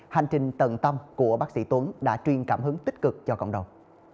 hành trình tầng tâm của bác sĩ tuấn đã truyền cảm hứng tích cực cho cộng đồng